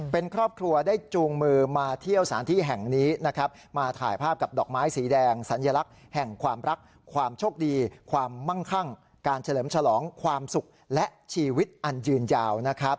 เป็นครอบครัวได้จูงมือมาเที่ยวสถานที่แห่งนี้นะครับมาถ่ายภาพกับดอกไม้สีแดงสัญลักษณ์แห่งความรักความโชคดีความมั่งคั่งการเฉลิมฉลองความสุขและชีวิตอันยืนยาวนะครับ